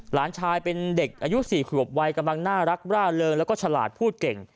หลานชายเป็นเด็กอายุ๔ขวบวัยกำลังน่ารักร่าเริงแล้วก็ฉลาดพูดเก่ง